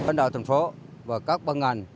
đèn đỏ thành phố và các băng ảnh